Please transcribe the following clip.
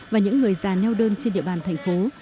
và những người già neo đơn trên địa bàn thành phố